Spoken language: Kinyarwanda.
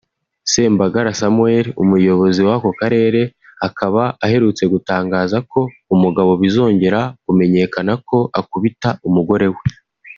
Sembagare Samuel Umuyobozi w’ako Karere akaba aherutse gutangaza ko umugabo bizongera kumenyekana ko akubita umugore we